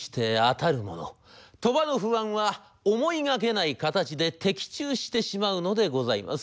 鳥羽の不安は思いがけない形で的中してしまうのでございます。